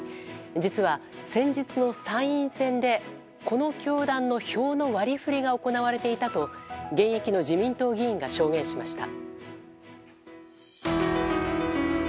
実は、先日の参院選でこの教団の票の割り振りが行われていたと現役の自民党議員が証言しました。